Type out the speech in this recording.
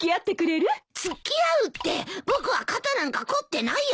付き合うって僕は肩なんか凝ってないよ。